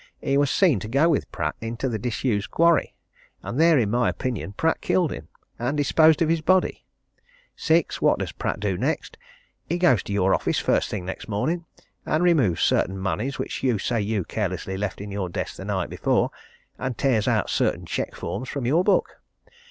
He was seen to go with Pratt into the disused quarry. And there, in my opinion, Pratt killed him and disposed of his body. "6. What does Pratt do next? He goes to your office first thing next morning, and removes certain moneys which you say you carelessly left in your desk the night before, and tears out certain cheque forms from your book.